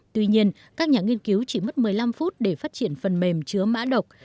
tuy nhiên các nhà nghiên cứu chỉ mất một mươi năm phút để phát triển phần mềm chứa mã độc